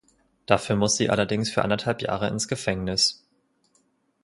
Dafür muss sie allerdings für anderthalb Jahre ins Gefängnis.